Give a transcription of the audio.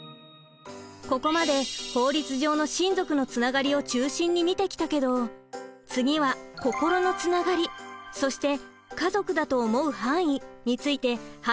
ここまで法律上の親族のつながりを中心に見てきたけど次は心のつながりそして家族だと思う範囲について話していくわよ。